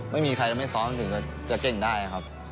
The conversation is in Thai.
ไม่มีใครจะไม่ซ้อมถึงจะเก่งได้ครับ